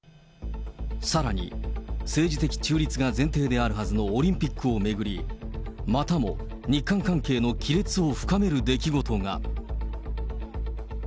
さらに、政治的中立が前提であるはずのオリンピックを巡り、またも、日韓関係の亀裂を深める出来事が。